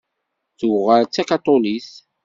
Tuɣal d takaṭulit.